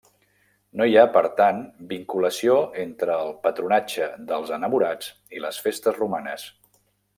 No hi ha, per tant, vinculació entre el patronatge dels enamorats i les festes romanes.